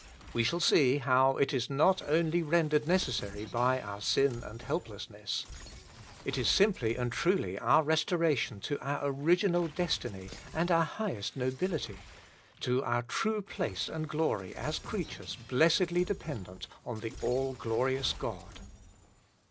We shall see how it is not only rendered necessary by our sin and helplessness. It ia WAITING ON GOD! 27 simply and truly our restoration to our original destiny and our highest nobility, to our true place and glory as creatures blessedly dependent on the All Glorious God.